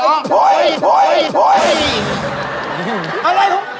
อะไรพว่ะเหี้ี้ย